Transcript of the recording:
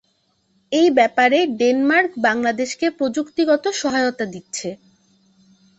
এই ব্যাপারে ডেনমার্ক বাংলাদেশকে প্রযুক্তিগত সহায়তা দিচ্ছে।